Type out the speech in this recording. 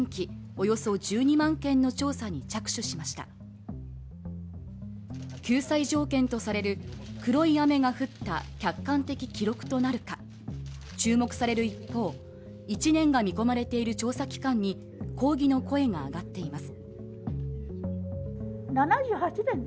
およそ１２万件の調査に着手しました救済条件とされる黒い雨が降った客観的記録となるか注目される一方１年が見込まれている調査期間に抗議の声が上がっています